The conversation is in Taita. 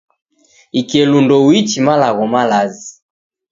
Ikelu ndouichi malagho malazi.